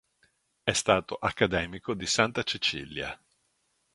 È stato Accademico di Santa Cecilia.